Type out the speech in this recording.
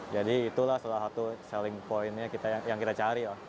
jadi itulah salah satu selling point yang kita cari